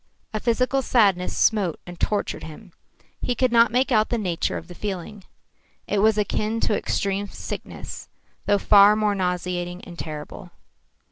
A physical sadness smote and tortured him. He could not make out the nature of the feeling. It was akin to extreme sickness, though far more nauseating and terrible.